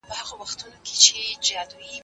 هغه وویل پښې مو هیڅکله مه هېروئ.